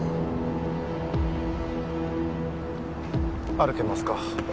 歩けますか？